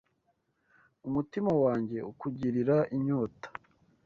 Umutima wanjye ukugirira inyota